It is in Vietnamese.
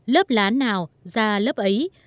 lớp lá nào ra lớp ấy